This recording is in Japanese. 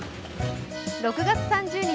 ６月３０日